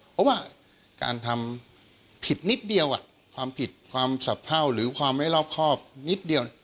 เพราะว่าการทำผิดนิดเดียวความผิดความสะเพ่าหรือความไม่รอบครอบนิดเดียว